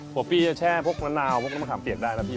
หัวปลีจะแช่พวกน้ำนาวพวกน้ำมะขามเปียกได้นะพี่